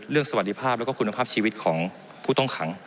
สวัสดีภาพแล้วก็คุณภาพชีวิตของผู้ต้องขัง